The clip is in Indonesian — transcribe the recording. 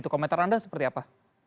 kata anda seperti apa